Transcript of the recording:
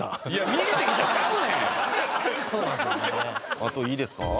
あといいですか。